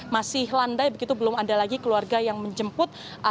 masih landai begitu belum ada lagi keluarga yang menjemput